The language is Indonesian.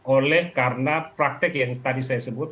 oleh karena praktek yang tadi saya sebut